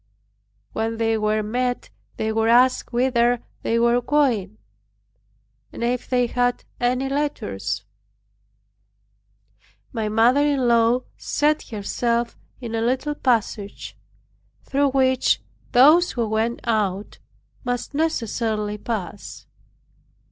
When they were met they were asked whither they were going, and if they had any letters. My mother in law set herself in a little passage, through which those who went out must necessarily pass.